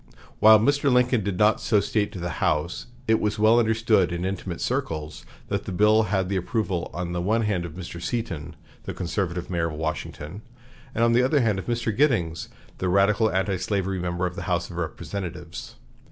While Mr. Lincoln did not so state to the House, it was well understood in intimate circles that the bill had the approval on the one hand of Mr. Seaton, the conservative mayor of Washington, and on the other hand of Mr. Giddings, the radical antislavery member of the House of Representatives.